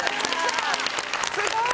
すごい。